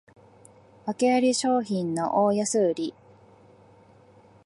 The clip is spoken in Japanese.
わけあり商品の大安売り